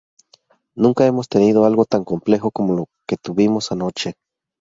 Nunca hemos tenido algo tan complejo como lo que tuvimos anoche.